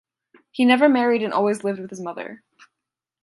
He never married and always lived with his mother.